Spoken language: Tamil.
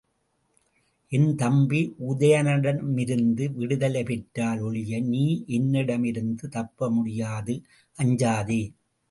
என் தம்பி உதயணனிடமிருந்து விடுதலை பெற்றால் ஒழிய நீ என்னிடமிருந்து தப்ப முடியாது, அஞ்சாதே!